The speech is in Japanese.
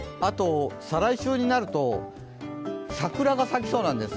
再来週になると桜が咲きそうなんです。